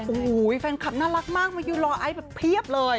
โอ้โหแฟนคลับน่ารักมากมายืนรอไอซ์แบบเพียบเลย